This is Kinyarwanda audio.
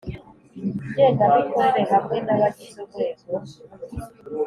Ngengamikorere hamwe n abagize urwego